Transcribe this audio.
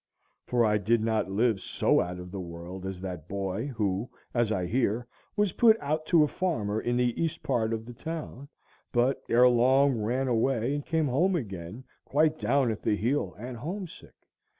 For I did not live so out of the world as that boy who, as I hear, was put out to a farmer in the east part of the town, but ere long ran away and came home again, quite down at the heel and homesick.